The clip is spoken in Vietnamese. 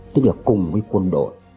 tức là cùng với quân đội